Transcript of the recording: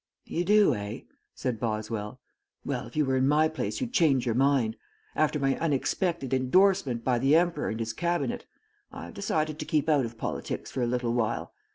"You do, eh?" said Boswell. "Well, if you were in my place you'd change your mind. After my unexpected endorsement by the Emperor and his cabinet, I've decided to keep out of politics for a little while.